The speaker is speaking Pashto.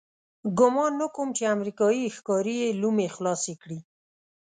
ګمان نه کوم چې امریکایي ښکاري یې لومې خلاصې کړي.